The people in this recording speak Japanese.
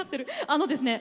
あのですね